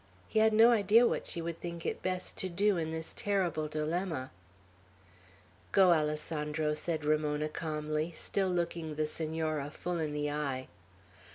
He had no idea what she would think it best to do in this terrible dilemma. "Go, Alessandro," said Ramona, calmly, still looking the Senora full in the eye.